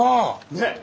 ねっ。